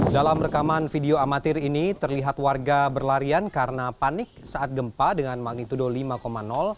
dalam rekaman video amatir ini terlihat warga berlarian karena panik saat gempa dengan magnitudo lima